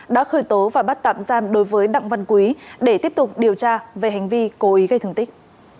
đã khởi tố và bắt tạm giam đối với đặng văn quý để tiếp tục điều tra về hành vi cố ý gây thương tích